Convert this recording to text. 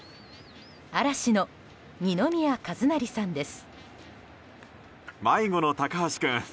嵐の二宮和也さんです。